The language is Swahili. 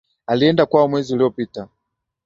Alienda kwao mwezi uliopita.